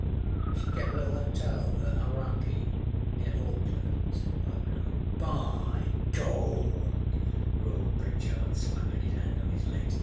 â âShe kepâ a little hotel at Haurakiânear Auckland,â said Pyecroft. âBy Gawd!â roared Pritchard, slapping his hand on his leg.